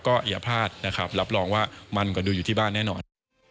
ก็อย่าพลาดนะครับรับรองว่ามันก็ดูอยู่ที่บ้านแน่นอน